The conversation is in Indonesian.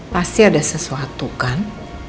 pasti ada sesuatu kan